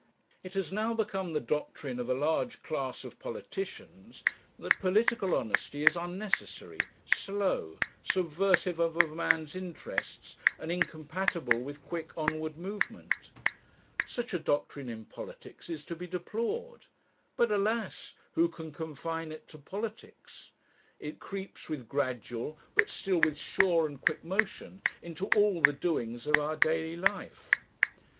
It has now become the doctrine of a large class of politicians that political honesty is unnecessary, slow, subversive of a man's interests, and incompatible with quick onward movement. Such a doctrine in politics is to be deplored; but alas! who can confine it to politics? It creeps with gradual, but still with sure and quick motion, into all the doings of our daily life.